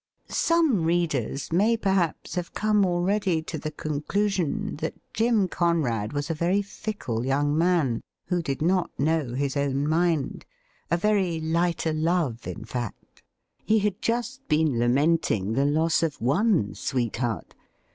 Some readers may, perhaps, have come already to the conclusion that Jim Conrad was a very fickle young man, who did not know his own mind — a very light o' love, in fact. He had just been lamenting the loss of one sweet heart.